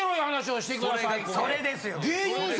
それですよ。